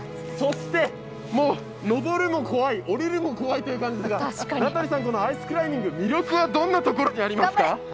そしてもう登るも怖い降りるも怖いという名取さん、このアイスクライミング魅力はどんなところにありますか？